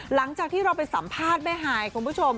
หลังจากที่เราไปสัมภาษณ์แม่ฮายคุณผู้ชม